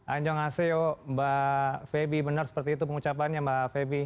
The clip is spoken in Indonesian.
anjong aseo mbak febi benar seperti itu pengucapannya mbak febi